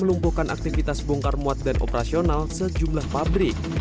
melumpuhkan aktivitas bongkar muat dan operasional sejumlah pabrik